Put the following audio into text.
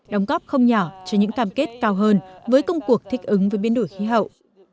đóng góp không nhỏ cho những cam kết cao hơn với công cuộc thích ứng với biến đổi khí hậu